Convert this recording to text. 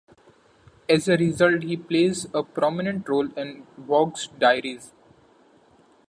As a result, he plays a prominent role in Waugh's diaries.